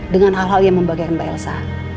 dengan hal hal yang membagikan mbak elsa